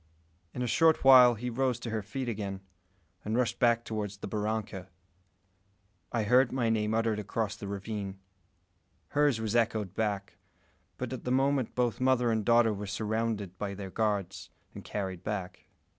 In a short while she rose to her feet again, and rushed back toward the barranca. I heard my name uttered across the ravine. Hers was echoed back; but at the moment both mother and daughter were surrounded by their guards, and carried back.